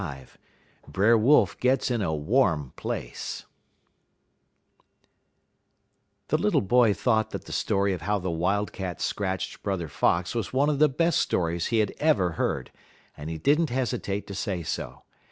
XLV BRER WOLF GETS IN A WARM PLACE The little boy thought that the story of how the wildcat scratched Brother Fox was one of the best stories he had ever heard, and he did n't hesitate to say so.